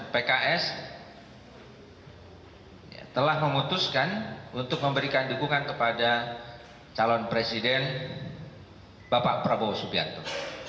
pks telah memutuskan untuk memberikan dukungan kepada calon presiden bapak prabowo subianto